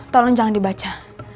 tolong jangan dibaca